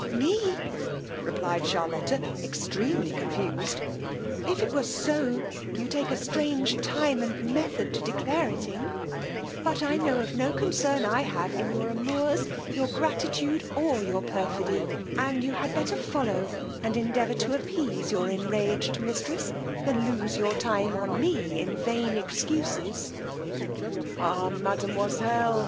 Me! replied Charlotta, extremely confused; If it were so, you take a strange time and method to declare it in; but I know of no concern I have in your amours, your gratitude, or your perfidy; and you had better follow and endeavour to appease your enraged mistress, than lose your time on me in vain excuses. Ah mademoiselle!